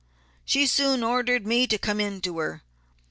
She soon ordered me to come in to her.